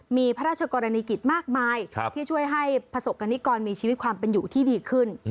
มีพระราชกรณีกิจมากมายที่ช่วยให้ประสบกรณิกรมีชีวิตความเป็นอยู่ที่ดีขึ้น